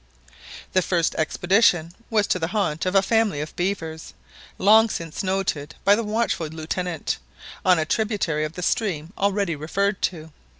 The first expedition was to the haunt of a family of beavers, long since noted by the watchful Lieutenant, on a tributary of the stream already referred to.